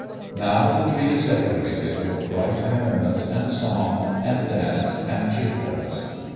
Now, the tree is decorated with bright merriment, and song, and dance, and cheerfulness.